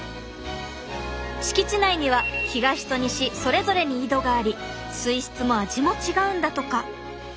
敷地内には東と西それぞれに井戸があり水質も味も違うんだとか。